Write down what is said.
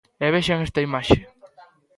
E vexan esta imaxe.